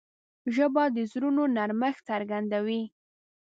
ژبه د زړونو نرمښت څرګندوي